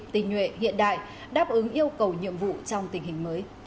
tình nguyện hiện đại đáp ứng yêu cầu nhiệm vụ trong tình hình mới